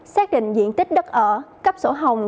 xác định diện tích đất ở cấp sổ hồng